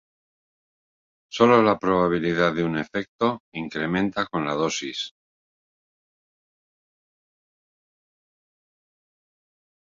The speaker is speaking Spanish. Solo la probabilidad de un efecto incrementa con la dosis.